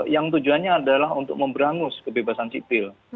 yang tujuannya adalah untuk memberangus kebebasan sipil